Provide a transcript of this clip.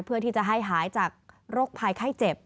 เพื่อที่จะให้หายจากโรคภัยไข้เจ็บ